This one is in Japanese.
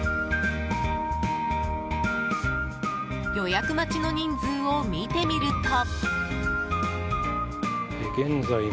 予約待ちの人数を見てみると。